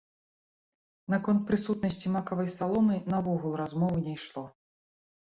Наконт прысутнасці макавай саломы наогул размовы не ішло.